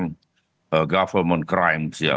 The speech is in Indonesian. bahkan government crime ya